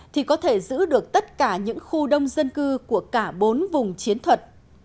thì có thể giữ được tất cả những khu đông dân cư của cả bốn vùng chiến thuật